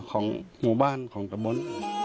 ของหมู่บ้านของตะบน